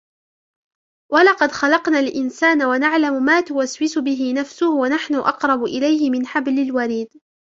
ولقد خلقنا الإنسان ونعلم ما توسوس به نفسه ونحن أقرب إليه من حبل الوريد